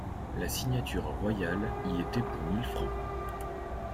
La signature royale y était pour mille francs.